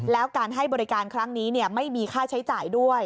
แล้วการให้บริการครั้งนี้ไม่มีค่าใช้จ่ายด้วย